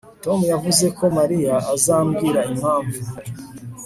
Tom yavuze ko Mariya azambwira impamvu